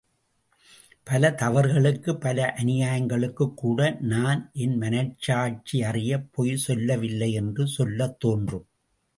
பல தவறுகளுக்கு பல அநியாயங்களுக்குக் கூட நான் என் மனச்சாட்சியறியப் பொய் சொல்லவில்லை என்று சொல்லத் தோன்றும்.